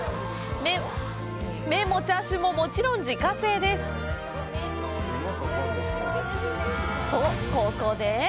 麺もチャーシューももちろん自家製です。